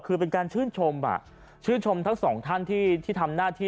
คือเป็นการชื่นชมชื่นชมทั้งสองท่านที่ทำหน้าที่